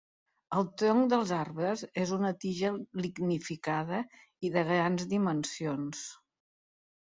El tronc dels arbres és una tija lignificada i de grans dimensions.